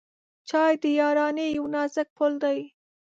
چای د یارانۍ یو نازک پُل دی.